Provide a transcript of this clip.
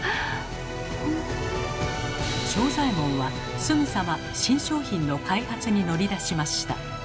正左衛門はすぐさま新商品の開発に乗り出しました。